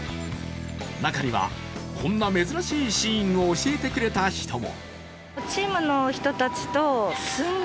中には、こんな珍しいシーンを教えてくれた人も。